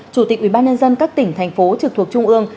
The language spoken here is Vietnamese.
chủ tịch ubnd các tỉnh thành phố trực thuộc trung ương